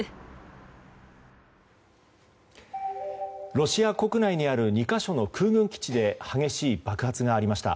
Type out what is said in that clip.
ロシア国内にある２か所の空軍基地で激しい爆発がありました。